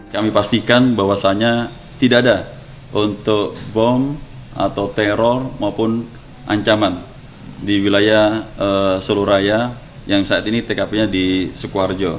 kami pastikan bahwasannya tidak ada untuk bom atau teror maupun ancaman di wilayah seluruh raya yang saat ini tkp nya di sukoharjo